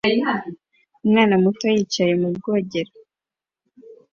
Umwana muto yicaye mu bwogero